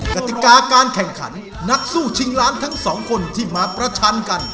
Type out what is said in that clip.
กติกาการแข่งขันนักสู้ชิงล้านทั้งสองคนที่มาประชันกัน